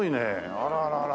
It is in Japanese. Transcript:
あらららら。